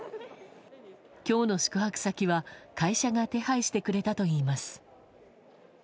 今日の宿泊先は、会社が手配してくれたといいます。